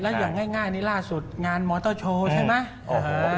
อย่างง่ายนี่ล่าสุดงานมอเตอร์โชว์ใช่ไหม